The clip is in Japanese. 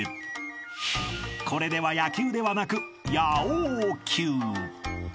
［これでは野球ではなく野王求］